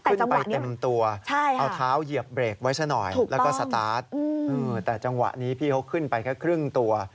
ขึ้นไปเต็มตัวเอาเท้าเหยียบเบรกไว้ซะหน่อยแล้วก็สตาร์ทแต่จังหวะนี้พี่เขาขึ้นไปแค่ครึ่งตัว